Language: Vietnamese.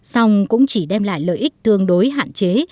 xong cũng chỉ đem lại lợi ích tương đối hạn chế